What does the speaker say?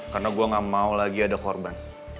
karena gue gak mau lagi ada korban